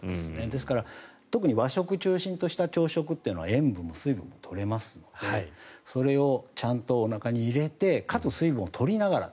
ですから、特に和食を中心とした朝食というのは塩分も水分も取れますのでそれをちゃんと、おなかに入れてかつ、水分を取りながら。